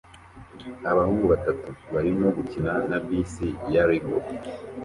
Abahungu batatu barimo gukina na bisi ya Lego